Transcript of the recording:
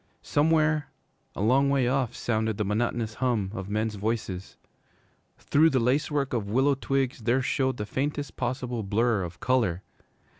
Somewhere, a long way off, sounded the monotonous hum of men's voices. Through the lace work of willow twigs there showed the faintest possible blur of color.